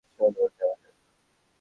চল যাওয়া যাক।